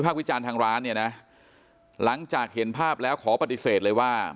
วิจารณ์ทางร้านเนี่ยนะหลังจากเห็นภาพแล้วขอปฏิเสธเลยว่า